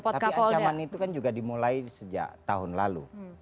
tapi ancaman itu kan juga dimulai sejak tahun lalu